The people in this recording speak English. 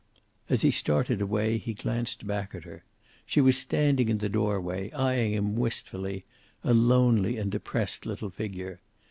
As he started away he glanced back at her. She was standing in the doorway, eying him wistfully, a lonely and depressed little figure.